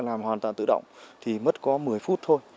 làm hoàn toàn tự động thì mất có một mươi phút thôi